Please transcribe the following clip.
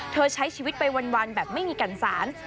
ใช้ชีวิตไปวันแบบไม่มีกันสาร